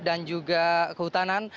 dan juga kehutanan